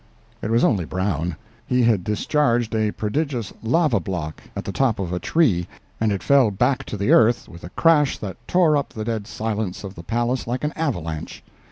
It was only Brown. He had discharged a prodigious lava block at the top of a tree, and it fell back to the earth with a crash that tore up the dead silence of the palace like an avalanche.